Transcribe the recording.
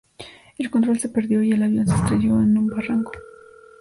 El control se perdió y el avión se estrelló en un barranco.